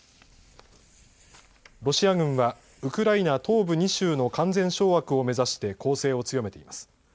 ロシア軍はウクライナ東部２州の完全掌握を目指して攻勢を強めています。